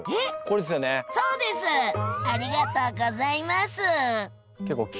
ありがとうございます！